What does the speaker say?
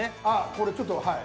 これちょっとはい。